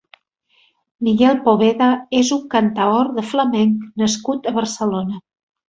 Miguel Poveda és un cantaor de flamenc nascut a Barcelona.